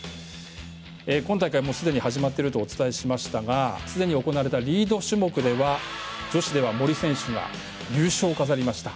今大会すでに始まっているとお伝えしましたがすでに行われたリード種目では女子では森選手が優勝を飾りました。